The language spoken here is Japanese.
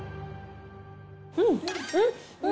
うん！